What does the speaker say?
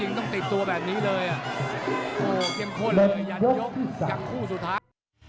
โหยันควรพบยันยกจากคู่สุดท้าย